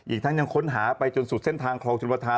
อีกทั้งยังค้นหาไปจนสุดเส้นทางคลองชนประธาน